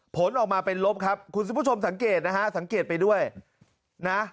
ผลออกมาเป็นลบครับคุณผู้ชมสังเกตนะฮะสังเกตไปด้วยนะ